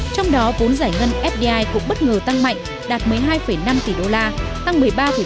trong đó vốn giải ngân fdi cũng bất ngờ tăng mạnh đạt một mươi hai năm tỷ đô la tăng một mươi ba năm